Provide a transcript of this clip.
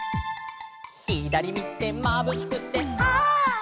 「ひだりみてまぶしくてはっ」